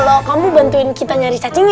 kalau kamu bantuin kita nyari cacingnya